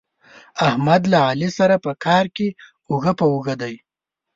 احمد له علي سره په کار کې اوږه په اوږه دی.